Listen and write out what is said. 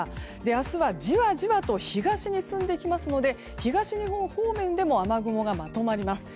明日はじわじわと東に進んできますので東日本方面でも雨雲がまとまります。